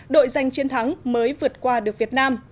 đội giành chiến thắng mới vượt qua được việt nam